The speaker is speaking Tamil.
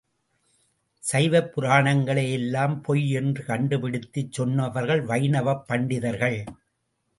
சைவப் புராணங்களை எல்லாம் பொய் என்று கண்டு பிடித்துச் சொன்னவர்கள் வைணவப் பண்டிதர்கள்.